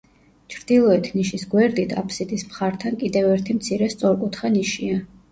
ჩრდილოეთ ნიშის გვერდით, აფსიდის მხართან კიდევ ერთი მცირე სწორკუთხა ნიშია.